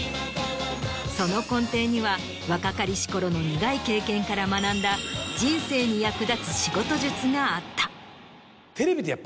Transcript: その根底には若かりしころの苦い経験から学んだ人生に役立つ仕事術があった。